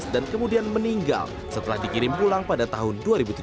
dan kemudian meninggal setelah dikirim pulang pada tahun dua ribu tujuh belas